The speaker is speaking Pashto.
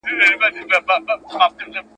نارينه ياغي ښځه ترټلای او وهلای شوای